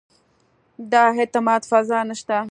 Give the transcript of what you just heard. د اعتماد فضا نه شته.